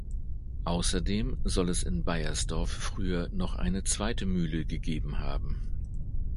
Außerdem soll es in Beiersdorf früher noch eine zweite Mühle gegeben haben.